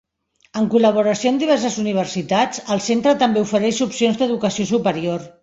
En col·laboració amb diverses universitats, el centre també ofereix opcions d'educació superior.